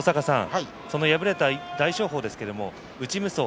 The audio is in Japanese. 敗れた大翔鵬ですが内無双